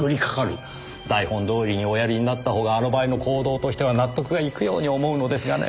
台本通りにおやりになった方があの場合の行動としては納得がいくように思うのですがねぇ。